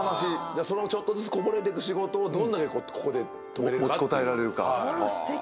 そのちょっとずつこぼれてく仕事をどんだけここで止めれるかって。